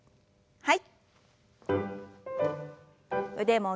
はい。